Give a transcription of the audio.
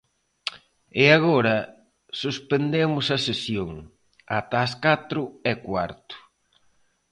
E agora suspendemos a sesión, ata as catro e cuarto.